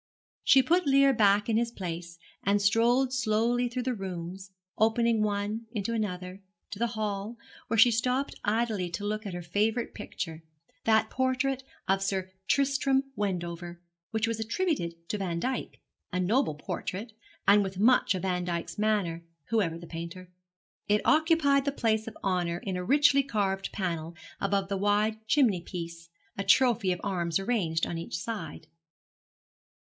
She put Lear back in his place, and strolled slowly through the rooms, opening one into another, to the hall, where she stopped idly to look at her favourite picture, that portrait of Sir Tristram Wendover which was attributed to Vandyke a noble portrait, and with much of Vandyke's manner, whoever the painter. It occupied the place of honour in a richly carved panel above the wide chimney piece, a trophy of arms arranged on each side.